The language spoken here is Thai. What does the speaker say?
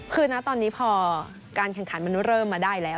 คือนะตอนนี้พอการแข่งขันมันเริ่มมาได้แล้ว